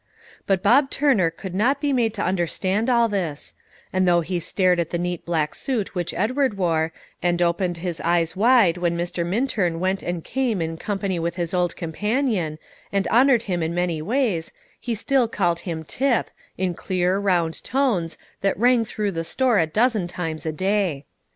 But Bob Turner could not be made to understand all this; and though he stared at the neat black suit which Edward wore, and opened his eyes wide when Mr. Minturn went and came in company with his old companion, and honoured him in many ways, he still called him "Tip," in clear, round tones, that rang through the store a dozen times a day.